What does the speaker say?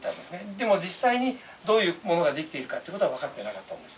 でも実際にどういうものが出来ているかっていう事は分かってなかったんです。